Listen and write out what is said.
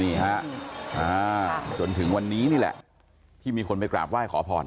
นี่ฮะจนถึงวันนี้นี่แหละที่มีคนไปกราบไหว้ขอพร